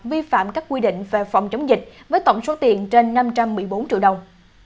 vi phạm các quy định về phòng chống dịch với tổng số tiền trên năm trăm một mươi bốn triệu đồng